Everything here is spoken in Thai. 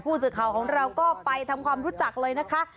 ผู้สื่อข่าวของเราก็ไปทำความรู้จักเลยนะคะ